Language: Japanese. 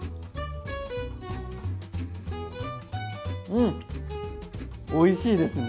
うんおいしいですね！